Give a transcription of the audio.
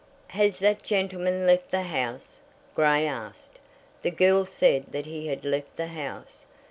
"Has that gentleman left the house?" Grey asked. The girl said that he had left the house.